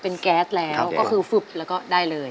เป็นแก๊สแล้วก็คือฟึบแล้วก็ได้เลย